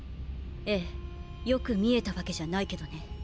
えぇよく見えたわけじゃないけどね。